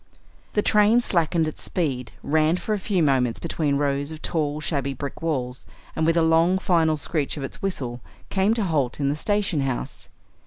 The train slackened its speed, ran for a few moments between rows of tall, shabby brick walls, and with a long, final screech of its whistle came to halt in the station house.